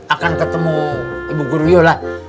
akan ketemu ibu guru ya lah